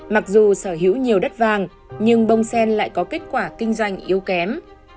mặc dù sở hữu nhiều đất vàng nhưng bông sen lại có kết quả kinh doanh yếu kém